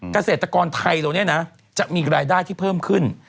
เกษตรกรไทยตัวนี้จะมีรายได้ที่เพิ่มขึ้น